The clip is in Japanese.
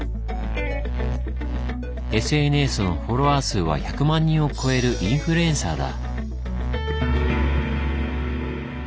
ＳＮＳのフォロワー数は１００万人を超えるインフルエンサーだ。